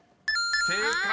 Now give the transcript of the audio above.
［正解。